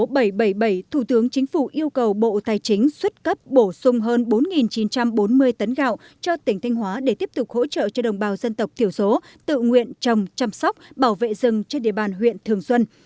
theo quyết định số bảy trăm bảy mươi bảy thủ tướng chính phủ yêu cầu bộ tài chính xuất cấp bổ sung hơn bốn chín trăm bốn mươi tấn gạo cho tỉnh thanh hóa để tiếp tục hỗ trợ cho đồng bào dân tộc tiểu số tự nguyện trồng chăm sóc bảo vệ rừng trên địa bàn huyện thường xuân